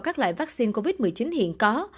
các loại vaccine covid một mươi chín hiện có